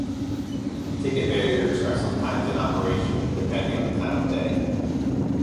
Ticket barriers are sometimes in operation, depending on the time of day.